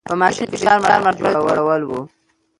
په ماشین کې د فشار مرکز جوړول و.